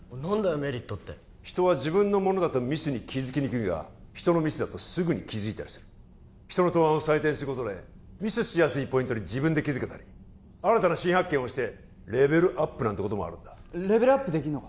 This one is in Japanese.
メリットって人は自分のものだとミスに気づきにくいが人のミスだとすぐに気づいたりする人の答案を採点することでミスしやすいポイントに自分で気づけたり新たな新発見をしてレベルアップなんてこともあるんだレベルアップできんのか？